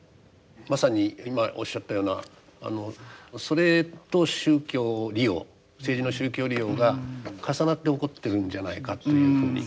まさに今おっしゃったようなそれと宗教利用政治の宗教利用が重なって起こってるんじゃないかというふうに。